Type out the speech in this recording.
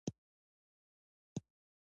ښکلی بدن ښه دی.